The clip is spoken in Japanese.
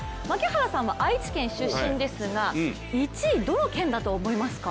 槙原さんは愛知県出身ですが１位、どの県だと思いますか。